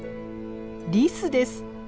リスです。